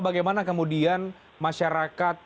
bagaimana kemudian masyarakat